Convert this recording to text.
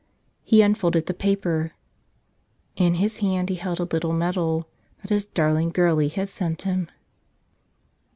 He unfolded the paper. In his hand he held a little medal that his darling girlie had sent him!